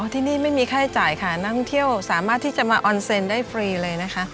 ที่นี่ไม่มีค่าใช้จ่ายค่ะนักท่องเที่ยวสามารถที่จะมาออนเซ็นต์ได้ฟรีเลยนะคะ